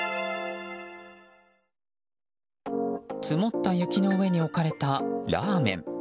積もった雪の上に置かれたラーメン。